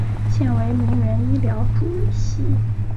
现为铭源医疗主席。